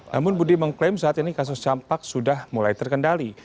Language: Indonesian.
namun budi mengklaim saat ini kasus campak sudah mulai terkendali